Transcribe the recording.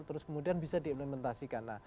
terus kemudian bisa diimplementasikan